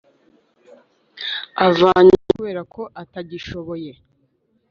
Avanyweho kubera ko atagishoboye